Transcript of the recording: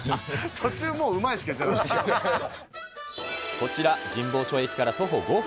途中もう、うまいしか言ってこちら、神保町駅から徒歩５分。